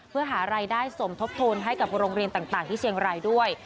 เพื่อหารายได้สมทบทุนให้กับโรงเรียนต่างที่เชียงรายด้วย